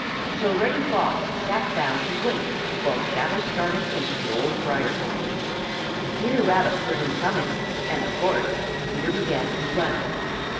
So Reddy Fox sat down to wait while Shadow started into the Old Briar patch. Peter Rabbit heard him coming and, of course, Peter began to run.